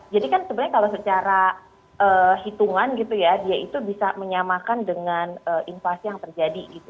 jadi kan sebenarnya kalau secara hitungan dia itu bisa menyamakan dengan inflasi yang terjadi